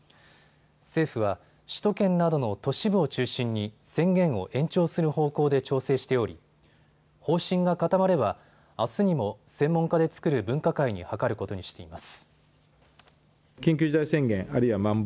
政府は首都圏などの都市部を中心に宣言を延長する方向で調整しており方針が固まればあすにも専門家で作る分科会に諮ることにしています。